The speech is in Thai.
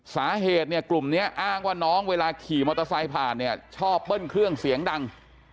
สาเหตุเนี่ยกลุ่มนี้อ้างว่าน้องเวลาขี่มอเตอร์ไซค์ผ่านเนี่ยชอบเบิ้ลเครื่องเสียงดัง